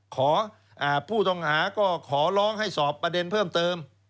ผู้ต้องหาก็ขอร้องให้สอบประเด็นเพิ่มเติม